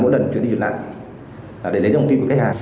mỗi lần truyền đi truyền lại để lấy đồng tiền của khách hàng